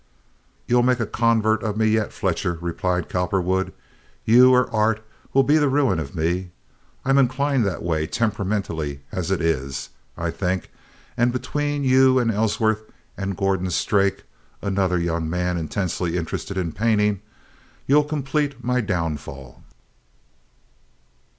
"You'll make a convert of me yet, Fletcher," replied Cowperwood. "You or art will be the ruin of me. I'm inclined that way temperamentally as it is, I think, and between you and Ellsworth and Gordon Strake"—another young man intensely interested in painting—"you'll complete my downfall.